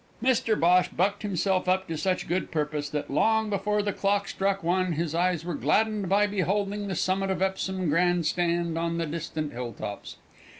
Mr Bhosh bucked himself up to such good purpose that, long before the clock struck one, his eyes were gladdened by beholding the summit of Epsom grand stand on the distant hill tops.